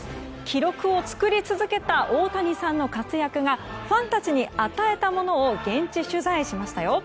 記録を作り続けた大谷さんの活躍がファンたちに与えたものを現地取材しましたよ。